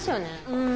うん。